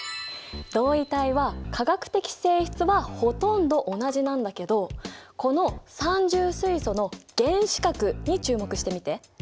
同位体は化学的性質はほとんど同じなんだけどこの三重水素の原子核に注目してみて。